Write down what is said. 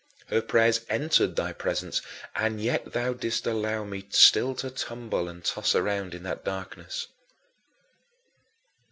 Her prayers entered thy presence, and yet thou didst allow me still to tumble and toss around in that darkness.